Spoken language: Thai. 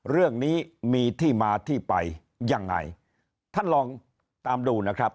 เรื่องนี้มีที่มาที่ไปยังไงท่านลองตามดูนะครับ